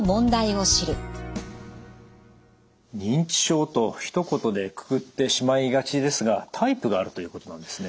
認知症とひと言でくくってしまいがちですがタイプがあるということなんですね？